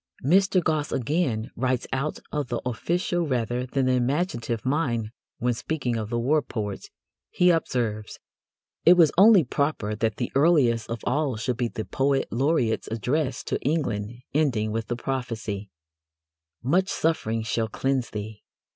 Mr. Gosse again writes out of the official rather than the imaginative mind when, speaking of the war poets, he observes: It was only proper that the earliest of all should be the Poet Laureate's address to England, ending with the prophecy: Much suffering shall cleanse thee!